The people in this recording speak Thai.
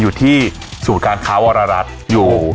อยู่ที่สูตรการค้าวอรรัชอยู่